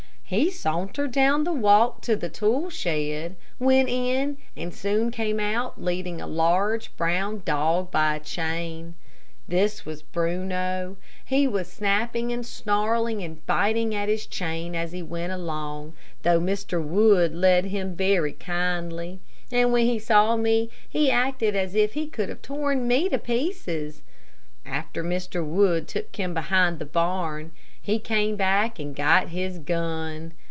He sauntered down the walk to the tool shed, went in and soon came out leading a large, brown dog by a chain. This was Bruno. He was snapping and snarling and biting at his chain as he went along, though Mr. Wood led him very kindly, and when he saw me he acted as if he could have torn me to pieces. After Mr. Wood took him behind the barn, he came back and got his gun.